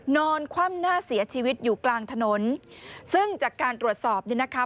นอนคว่ำหน้าเสียชีวิตอยู่กลางถนนซึ่งจากการตรวจสอบเนี่ยนะคะ